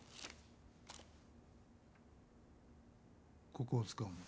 ここを使うの。